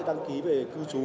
đăng ký về cư chú